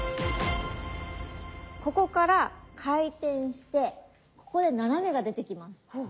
ここから回転してここで斜めが出てきます。